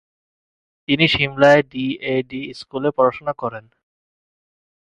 তিনি শিমলায় D A V স্কুলে পড়াশোনা করেন।